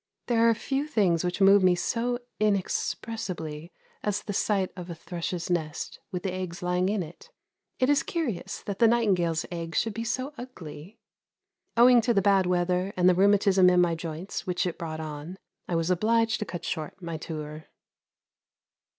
There are few things which move me so inexpressibly as the sight of a thrush's nest with the eggs lying in it. It is curious that the nightingale's egg should be so ugly. Owing to the bad weather, and the rheumatism in my joints which it brought on, I was obliged to cut short my tour.